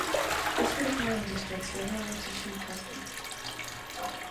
This would occur in districts favourable to sheep husbandry.